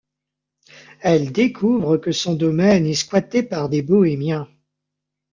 Elle découvre que son domaine est squatté par des bohémiens.